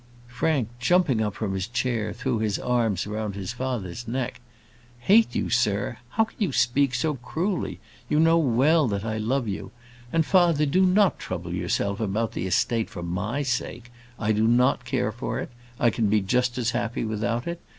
Frank, jumping up from his chair, threw his arms round his father's neck. "Hate you, sir? How can you speak so cruelly? You know well that I love you. And, father, do not trouble yourself about the estate for my sake. I do not care for it; I can be just as happy without it.